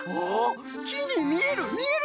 きにみえる！